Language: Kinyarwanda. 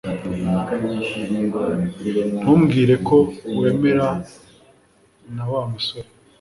Ntumbwire ko wemera na Wa musore